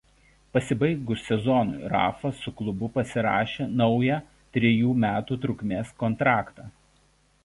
Pasibaigus sezonui Rafa su klubu pasirašė naują trejų metų trukmės kontraktą.